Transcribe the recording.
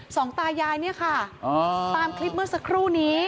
สองตายายเนี่ยค่ะตามคลิปเมื่อสักครู่นี้